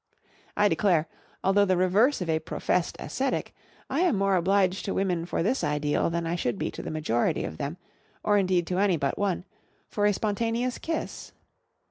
I declare, although the reverse of a professed ascetic, I am more obliged to women for this ideal than I should be to the majority of them, or indeed to any but one, for a spontaneous kiss.